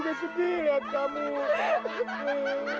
saya juga sedih lihat kamu